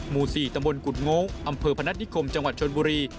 หมู่๔ตำบลกุฎโงกอำเภอพนัฐนิคมจังหวัดชนบุรี